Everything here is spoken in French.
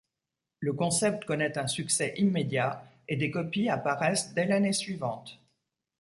Le concept connait un succès immédiat et des copies apparaissent dès l’année suivante.